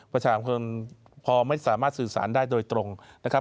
ประชาชนพอไม่สามารถสื่อสารได้โดยตรงนะครับ